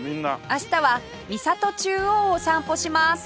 明日は三郷中央を散歩します